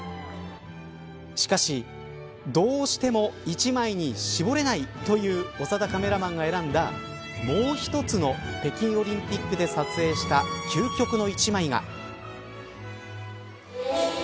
しかし、どうしても１枚に絞れないという長田カメラマンが選んだもう一つの北京オリンピックで撮影した究極の一枚が。